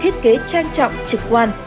trang trọng trực quan